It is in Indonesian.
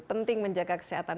penting menjaga kesehatan